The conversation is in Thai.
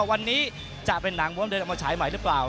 วันนี้จะเป็นหนังม้วนเดินออกมาฉายใหม่หรือเปล่า